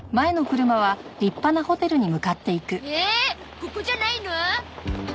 ここじゃないの？